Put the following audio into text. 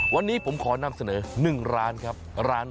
วันนี้ผมขอนำเสนอ๑ร้านครับ